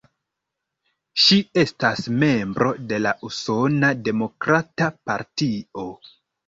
Ŝi estas membro de la Usona Demokrata Partio.